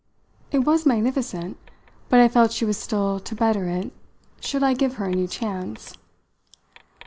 It was magnificent, but I felt she was still to better it should I give her a new chance.